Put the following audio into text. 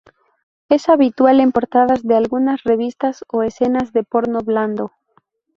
Es habitual en portadas de algunas revistas o escenas de porno blando.